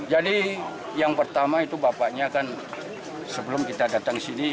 jadi yang pertama itu bapaknya kan sebelum kita datang sini